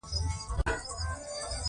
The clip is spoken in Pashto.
د خیر لاره د بریا لاره ده.